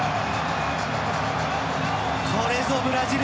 これぞブラジル！